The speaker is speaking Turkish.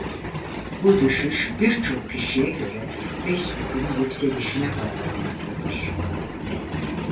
Bu düşüş birçok kişiye göre Facebook'un yükselişine bağlanmaktır.